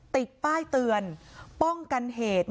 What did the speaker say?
ติดป้ายเตือนป้องกันเหตุ